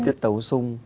tiết tấu sung